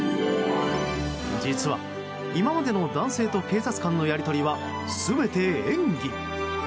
実は、今までの男性と警察官のやり取りは全て演技。